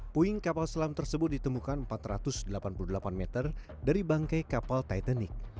puing kapal selam tersebut ditemukan empat ratus delapan puluh delapan meter dari bangkai kapal titanic